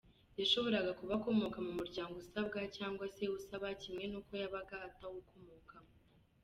Yashoboraga kuba akomoka mu muryango usabwa cyangwa se usaba, kimwe n’uko yabaga atawukomokamo.